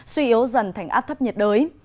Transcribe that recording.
suy yếu dần thành áp thấp nhiệt đới